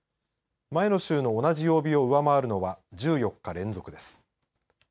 前の週の同じ曜日を上回るのは１８日連続です。